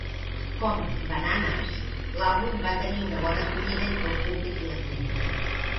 Com "Bananas", l'àlbum va tenir una bona acollida entre el públic i la crítica.